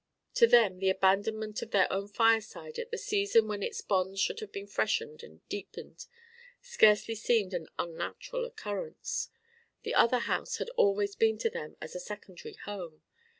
To them the abandonment of their own fireside at the season when its bonds should have been freshened and deepened scarcely seemed an unnatural occurrence. The other house had always been to them as a secondary home.